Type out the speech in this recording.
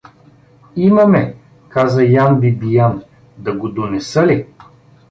— Имаме — каза Ян Бибиян, — да го донеса ли?